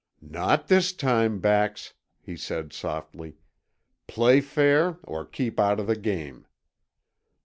"Not this time, Bax," he said softly. "Play fair or keep out uh the game.